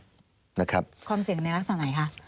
ความเสี่ยงในลักษณะไหนคะ